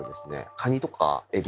カニとかエビ